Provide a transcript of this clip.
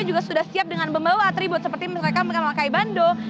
juga sudah siap dengan membawa atribut seperti mereka memakai bando